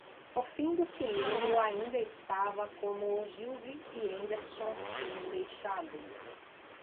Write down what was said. O fim do cilindro ainda estava como Ogilvy e Henderson tinham deixado.